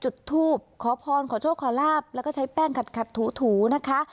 จุดทูบขอพรขอโชคขอลาบแล้วก็ใช้แป้งขัดถูนะคะ